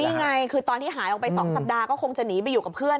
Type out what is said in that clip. นี่ไงคือตอนที่หายออกไป๒สัปดาห์ก็คงจะหนีไปอยู่กับเพื่อน